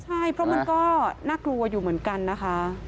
ใช่เพราะมันก็น่ากลัวอยู่เหมือนกันนะคะ